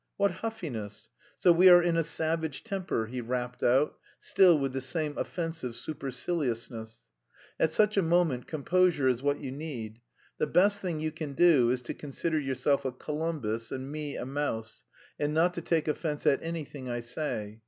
"What huffiness! So we are in a savage temper?" he rapped out, still with the same offensive superciliousness. "At such a moment composure is what you need. The best thing you can do is to consider yourself a Columbus and me a mouse, and not to take offence at anything I say.